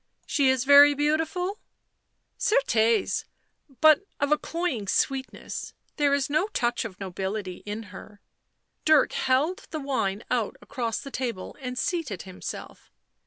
" She is very beautiful ?"" Certes !— but of a cloying sweetness — there is no touch of nobility in her." Dirk held the wine out across the table and seated himself.